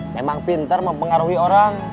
memang pintar mempengaruhi orang